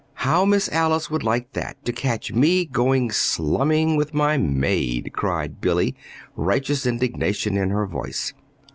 "How Miss Alice would like that to catch me going 'slumming' with my maid!" cried Billy, righteous indignation in her voice.